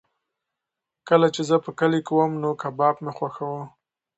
کله چې زه په کلي کې وم نو کباب مې خوښاوه.